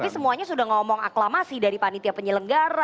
tapi semuanya sudah ngomong aklamasi dari panitia penyelenggara